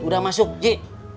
udah masuk ji